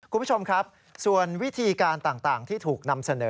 คุณผู้ชมครับส่วนวิธีการต่างที่ถูกนำเสนอ